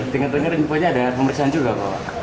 tingkat tingkatnya ada pemeriksaan juga kok